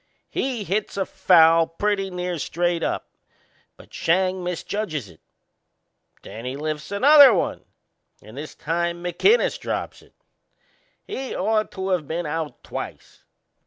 He hits a foul pretty near straight up, but Schang misjudges it. Then he lifts another one and this time McInnes drops it. He'd ought to of been out twice.